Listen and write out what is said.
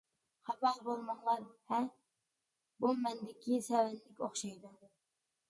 خاپا بولماڭلار ھە بۇ مەندىكى سەۋەنلىك ئوخشايدۇ.